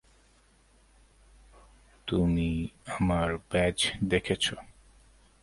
তুমি আমার ব্যাজ দেখেছো।